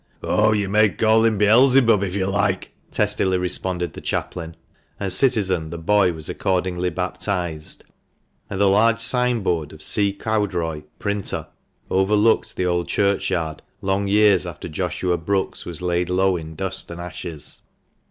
" Oh, you may call him Beelzebub if you like," testily responded the chaplain, and Citizen the boy was accordingly baptized; and the large signboard of C. Cowdroy, Printer, overlooked the Old Churchyard long years after Joshua Brookes was laid low in dust and ashes.